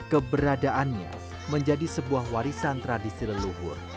keberadaannya menjadi sebuah warisan tradisi leluhur